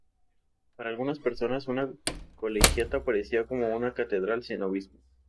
Para algunas personas una colegiata aparecía como una catedral sin obispo.